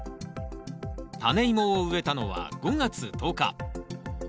タネイモを植えたのは５月１０日。